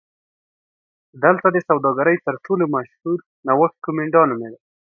دلته د سوداګرۍ تر ټولو مشهور نوښت کومېنډا نومېده